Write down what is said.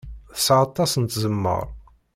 Tesɛa aṭas n tzemmar.